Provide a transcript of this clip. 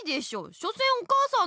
しょせんお母さんだもん。